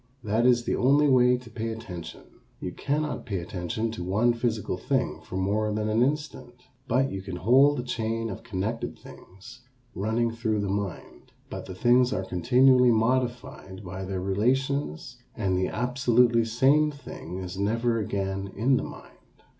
That is the only way to pay attention. You cannot pay attention to one physical thing for more than an instant. But you can hold a chain of connected things running through the mind, but the things are continually modified by their relations and the absolutely same thing is never again in the mind.